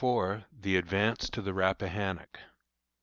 THE ADVANCE TO THE RAPPAHANNOCK.